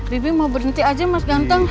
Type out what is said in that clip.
bibi mau berhenti aja mas ganteng